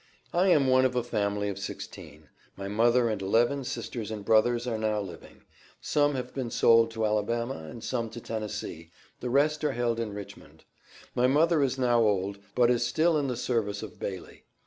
"I am one of a family of sixteen; my mother and eleven sisters and brothers are now living; some have been sold to Alabama, and some to Tennessee, the rest are held in Richmond. My mother is now old, but is still in the service of Bailey.